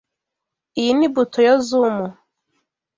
Iyi ni buto yo zoom.